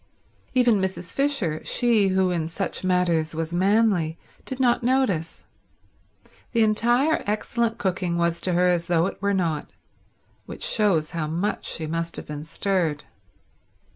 Even Mrs. Fisher, she who in such matters was manly, did not notice. The entire excellent cooking was to her as though it were not; which shows how much she must have been stirred.